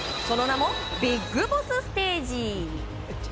その名もビッグボスステージ。